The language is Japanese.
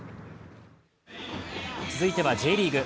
続いてはＪリーグ。